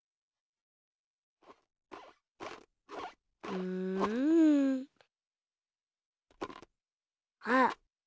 うん。あっ！